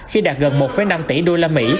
khi đạt gần một năm tỷ usd